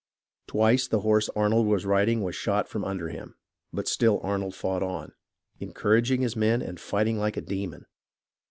Twice the horse Arnold was riding was shot from under him ; but still Arnold fought on, encouraging his men and fighting like a demon.